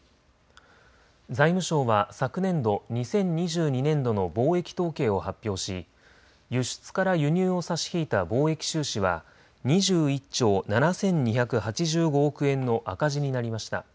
財務省は昨年度２０２２年度の貿易統計を発表し輸出から輸入を差し引いた貿易収支は２１兆７２８５億円の赤字になりました。